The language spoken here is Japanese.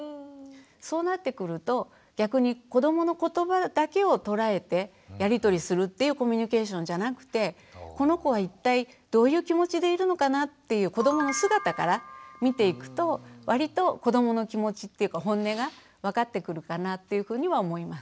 そうなってくると逆に子どもの言葉だけをとらえてやり取りするっていうコミュニケーションじゃなくてこの子は一体どういう気持ちでいるのかなっていう子どもの姿から見ていくとわりと子どもの気持ちっていうかホンネが分かってくるかなっていうふうには思います。